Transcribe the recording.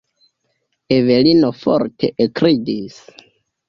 Evelino forte ekridis.